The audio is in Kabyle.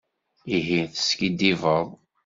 Ihi teskiddibeḍ!